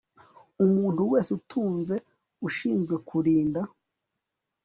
umuntu wese utunze ushinzwe kurinda